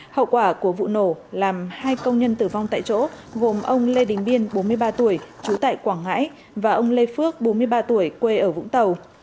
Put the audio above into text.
hậu quả của vụ nổ làm hai công nhân tử vong tại chỗ gồm ông lê đình biên bốn mươi ba tuổi trú tại quảng ngãi và ông lê phước bốn mươi ba tuổi quê ở vũng tàu